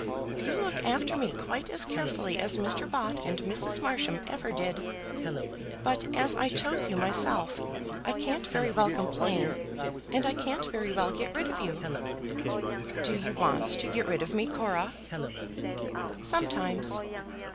You look after me quite as carefully as Mr. Bott and Mrs. Marsham ever did; but as I chose you myself, I can't very well complain, and I can't very well get rid of you." "Do you want to get rid of me, Cora?" "Sometimes.